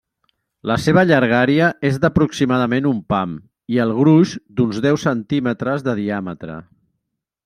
La seva llargària és d'aproximadament un pam, i el gruix d'uns deu centímetres de diàmetre.